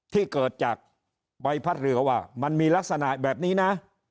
ที่เกิดจากใบพัดเรือว่ามันมีลักษณะแบบนี้นะ